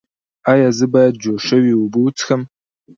ایا زه باید جوش شوې اوبه وڅښم؟